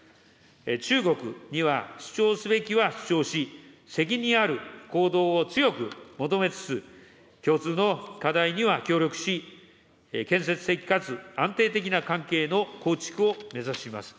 中国には主張すべきは主張し、責任ある行動を強く求めつつ、共通の課題には協力し、建設的かつ安定的な関係の構築を目指します。